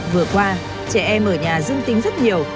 vừa qua trẻ em ở nhà dương tính rất nhiều